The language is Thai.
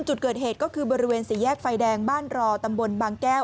จุดเกิดเหตุก็คือบริเวณสี่แยกไฟแดงบ้านรอตำบลบางแก้ว